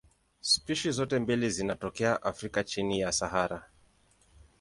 Spishi zote mbili zinatokea Afrika chini ya Sahara.